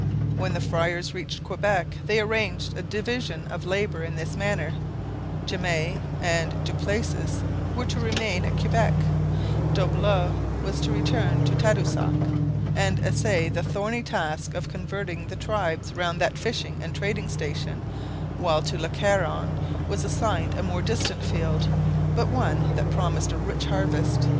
When the friars reached Quebec they arranged a division of labour in this manner: Jamay and Du Plessis were to remain at Quebec; D'Olbeau was to return to Tadoussac and essay the thorny task of converting the tribes round that fishing and trading station; while to Le Caron was assigned a more distant field, but one that promised a rich harvest.